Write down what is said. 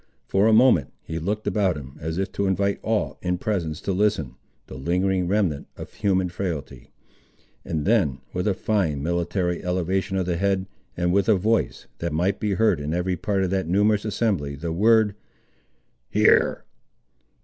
For a moment, he looked about him, as if to invite all in presence to listen (the lingering remnant of human frailty), and then, with a fine military elevation of the head, and with a voice, that might be heard in every part of that numerous assembly the word— "Here!"